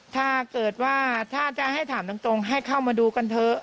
ถ้าเกิดว่าถ้าจะให้ถามตรงให้เข้ามาดูกันเถอะ